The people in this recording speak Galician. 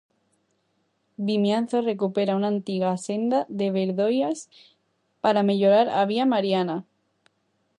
Vimianzo recupera unha antiga senda de Berdoias para mellorar a Vía Mariana.